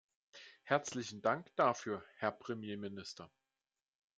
Herzlichen Dank dafür, Herr Premierminister.